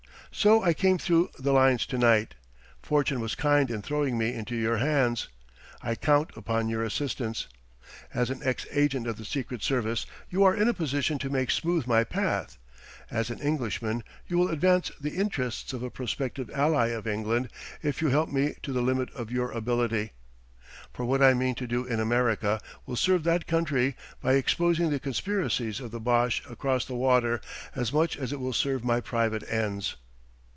So I came through the lines to night. Fortune was kind in throwing me into your hands: I count upon your assistance. As an ex agent of the Secret Service you are in a position to make smooth my path; as an Englishman, you will advance the interests of a prospective ally of England if you help me to the limit of your ability; for what I mean to do in America will serve that country, by exposing the conspiracies of the Boche across the water, as much as it will serve my private ends."